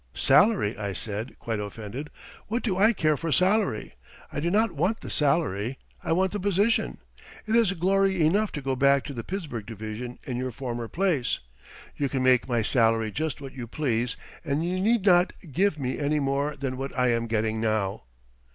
"Salary," I said, quite offended; "what do I care for salary? I do not want the salary; I want the position. It is glory enough to go back to the Pittsburgh Division in your former place. You can make my salary just what you please and you need not give me any more than what I am getting now."